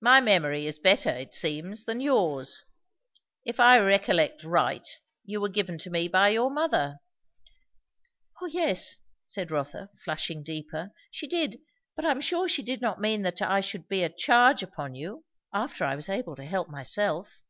"My memory is better, it seems, than yours. If I recollect right, you were given to me by your mother." "O yes," said Rotha, flushing deeper, "she did. But I am sure she did not mean that I should be a charge upon you, after I was able to help myself."